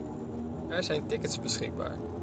Er zijn tickets beschikbaar.